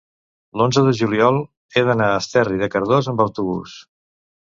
l'onze de juliol he d'anar a Esterri de Cardós amb autobús.